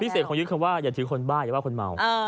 เศษคนยึดคำว่าอย่าถือคนบ้าอย่าว่าคนเมา